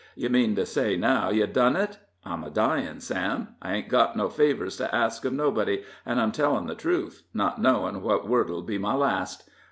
You mean to say, now, yev done it? I'm a dyin', Sam I hain't got no favors to ask of nobody, an' I'm tellin' the truth, not knowin' what word'll be my last."